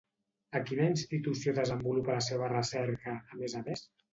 A quina institució desenvolupa la seva recerca, a més a més?